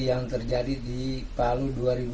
yang terjadi di palu dua ribu delapan belas